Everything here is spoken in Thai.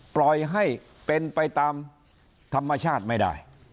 ปล่อยให้เป็นไปตามธรรมชาติไม่ได้